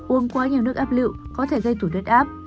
uống quá nhiều nước ép lựu có thể gây thủ đất áp